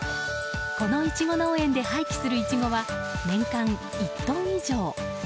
このイチゴ農園で廃棄するイチゴは年間１トン以上。